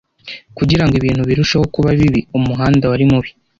Kugira ngo ibintu birusheho kuba bibi, umuhanda wari mubi.